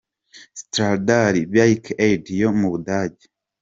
Stradalli Bike Aid yo mu Budage.